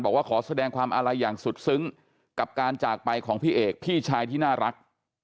บอกว่าขอแสดงความอาลัยอย่างสุดซึ้งกับการจากไปของพี่เอกพี่ชายที่น่ารัก